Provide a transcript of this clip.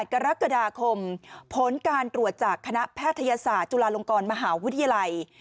กรกฎาคมผลการตรวจจากคณะแพทยศาสตร์จุฬาลงกรมหาวิทยาลัย